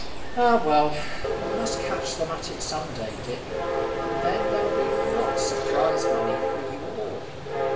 "Ah, well, we must catch them at it some day, Dick, and then there'll be lots o' prize money for you all."